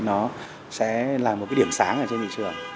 nó sẽ là một cái điểm sáng ở trên thị trường